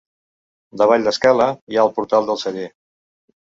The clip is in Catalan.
Davall l'escala, hi ha el portal del celler.